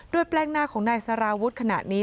แปลงหน้าของนายสารวุฒิขณะนี้